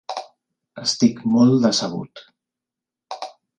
Estic molt decebut.